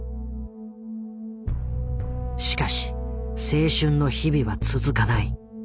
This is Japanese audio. しかし青春の日々は続かない。